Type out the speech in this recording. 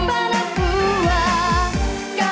ฟ้าเล็กแรงไม่เจอเธอดู